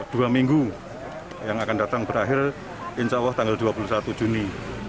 dua minggu yang akan datang berakhir insya allah tanggal dua puluh satu juni